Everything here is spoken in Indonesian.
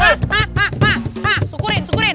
hah hah hah hah hah sukurin sukurin